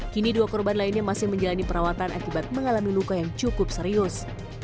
kini dua korban lainnya masih menjalani perawatan akibat mengalami luka yang cukup serius